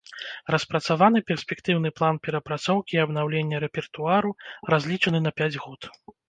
Распрацаваны перспектыўны план перапрацоўкі і абнаўлення рэпертуару, разлічаны на пяць год.